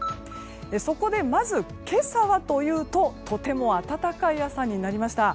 そこで、まず今朝はというととても暖かい朝になりました。